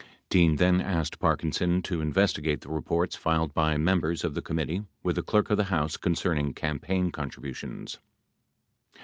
Dean then asked Parkinson to investigate the reports filed by members of the committee with the Clerk of the House concerning campaign contributions.